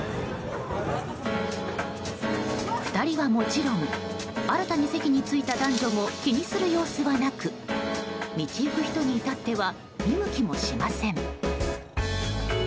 ２人はもちろん新たに席に着いた男女も気にする様子はなく道行く人に至っては見向きもしません。